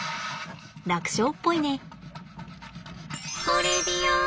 楽勝っぽいね。